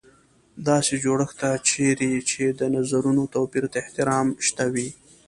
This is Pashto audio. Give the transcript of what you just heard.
داسې جوړښت ته چېرې چې د نظرونو توپیر ته احترام شته وي.